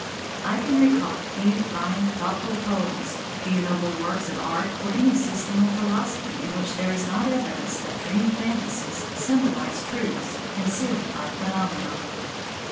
I can recall few fine, thoughtful poems, few noble works of art or any system of philosophy in which there is not evidence that dream fantasies symbolize truths concealed by phenomena.